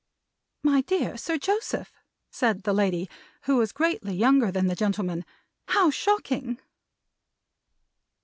"My dear Sir Joseph!" said the lady, who was greatly younger than the gentleman. "How shocking!"